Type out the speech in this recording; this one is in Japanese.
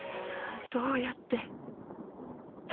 どうやって。